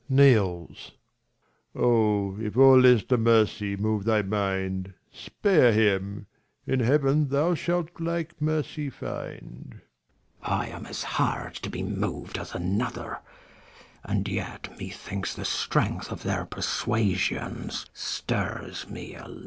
[Kneels. Oh, if all this to mercy move thy mind, Spare him, in heaven thou shalt like mercy find. Mess. I am as hard to be mov'd as another, and yet me thinks the strength of their persuasions stirs me a little.